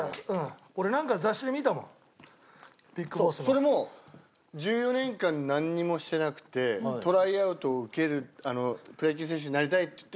それも１４年間何もしてなくてトライアウトを受けるプロ野球選手になりたいっつって。